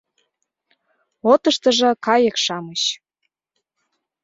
Отыштыжо кайык-шамыч